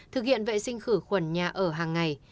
thực hiện vệ sinh khử khuẩn nhà ở hàng ngày